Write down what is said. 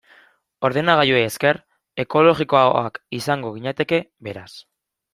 Ordenagailuei esker, ekologikoagoak izango ginateke, beraz.